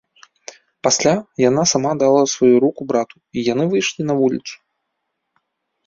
Пасля яна сама дала сваю руку брату, і яны выйшлі на вуліцу.